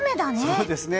そうですね。